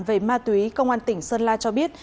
về ma túy công an tỉnh sơn la cho biết